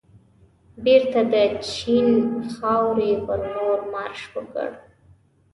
بېرته د چین خاورې پرلور مارش وکړ.